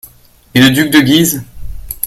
Et le duc de Guise ?